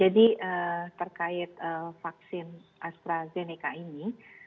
jadi terkait vaksin astrazeneca ini